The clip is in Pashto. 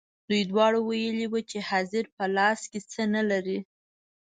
دوی دواړو ویلي وو چې حاضر په لاس کې څه نه لري.